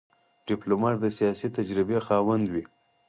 ډيپلومات د سیاسي تجربې خاوند وي.